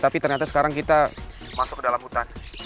tapi ternyata sekarang kita masuk ke dalam hutan